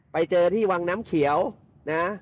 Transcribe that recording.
ไปเจอที่วังน้ำเขียวนะ